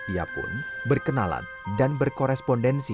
ia pun berkenalan dan berkorespondensi